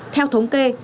theo thống tin